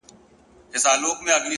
علم د انسان د راتلونکي بنسټ دی,